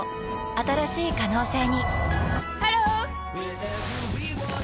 新しい可能性にハロー！